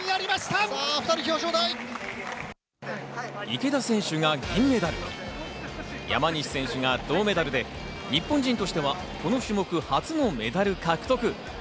池田選手が銀メダル、山西選手が銅メダルで日本人としてはこの種目初のメダル獲得。